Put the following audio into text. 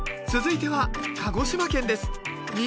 続いては鹿児島県です。